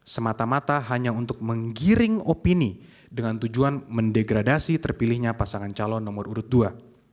semata mata hanya untuk menggiring opini dengan tujuan mendegradasi terpilihnya pasangan calon nomor urut dua